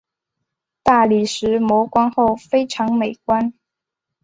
大理石磨光后非常美观。